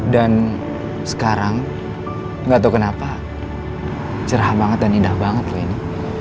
dan sekarang gak tau kenapa cerah banget dan indah banget loh ini